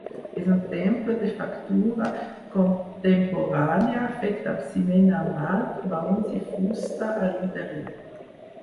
És un temple de factura contemporània, fet amb ciment armat, maons i fusta, a l'interior.